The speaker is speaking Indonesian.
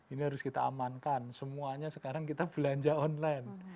ini harus kita amankan semuanya sekarang kita belanja online